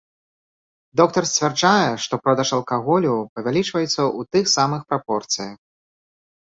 Доктар сцвярджае, што продаж алкаголю павялічваюцца ў тых самых прапорцыях.